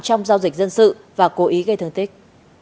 trong giao dịch dân sự và cố ý gây thương tích